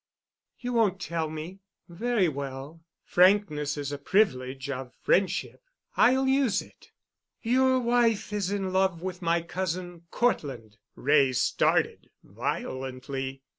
"You won't tell me? Very well. Frankness is a privilege of friendship. I'll use it. Your wife is in love with my cousin Cortland." Wray started violently.